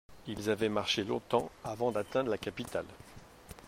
Ils avaient marché longtemps avant d’atteindre la capitale.